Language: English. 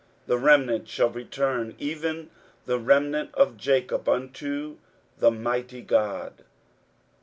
23:010:021 The remnant shall return, even the remnant of Jacob, unto the mighty God.